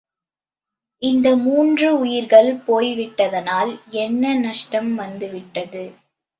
இந்த மூன்று உயிர்கள் போய்விட்டதனால் என்ன நஷ்டம் வந்துவிட்டது?